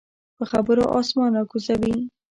په خبرو اسمان راکوزوي.